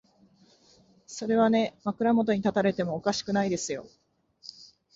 それはね、枕元に立たれてもおかしくないですよ。